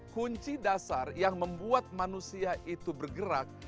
kunci dasar yang membuat manusia itu bergerak